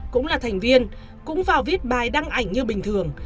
cũng là thành viên cũng vào viết bài đăng ảnh như bình thường